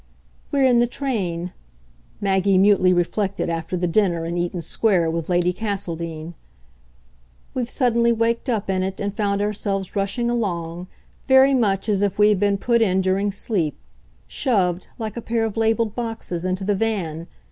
"We're in the train," Maggie mutely reflected after the dinner in Eaton Square with Lady Castledean; "we've suddenly waked up in it and found ourselves rushing along, very much as if we had been put in during sleep shoved, like a pair of labelled boxes, into the van.